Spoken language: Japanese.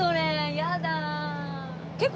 やだ！